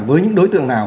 với những đối tượng nào